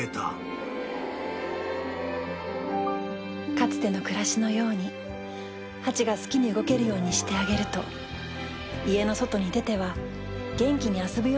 かつての暮らしのようにハチが好きに動けるようにしてあげると家の外に出ては元気に遊ぶようになりました。